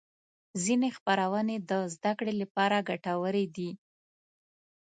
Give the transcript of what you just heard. ځینې خپرونې د زدهکړې لپاره ګټورې دي.